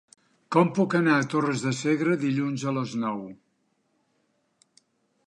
Com puc anar a Torres de Segre dilluns a les nou?